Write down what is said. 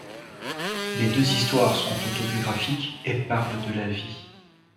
Les deux histoires sont autobiographiques et parlent de la vie.